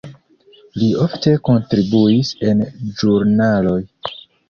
Li ofte kontribuis en ĵurnaloj.